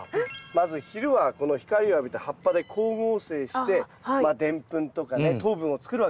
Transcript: まず昼は光を浴びて葉っぱで光合成してデンプンとかね糖分を作るわけですよ。